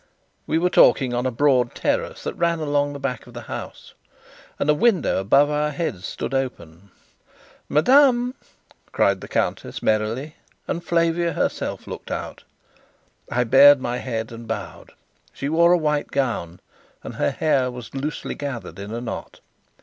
We were talking on a broad terrace that ran along the back of the house, and a window above our heads stood open. "Madame!" cried the countess merrily, and Flavia herself looked out. I bared my head and bowed. She wore a white gown, and her hair was loosely gathered in a knot.